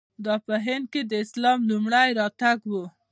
دا په هند کې د اسلام لومړی راتګ و.